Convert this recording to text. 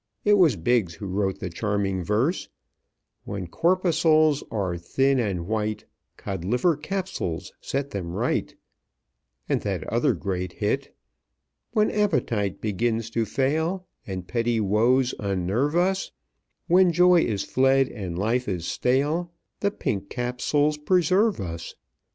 It was Biggs who wrote the charming verse, "When corpuscles are thin and white, Codliver Capsules set them right," and that other great hit, "When appetite begins to fail And petty woes unnerve us, When joy is fled and life is stale, The Pink Capsules preserve us.